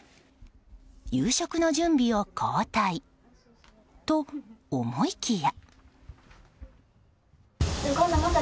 夕食の準備を交代と思いきや。